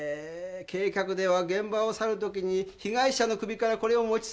計画では現場を去るときに被害者の首からこれを持ち去るつもりだった。